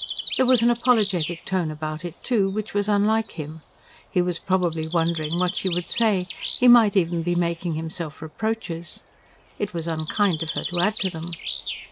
There was an apologetic tone about it, too, which was unlike him. He was probably wondering what she would say; he might even be making himself reproaches. It was unkind of her to add to them.